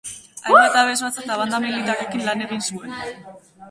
Hainbat abesbatza eta banda militarrekin lan egin zuen.